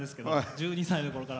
１２歳のころから。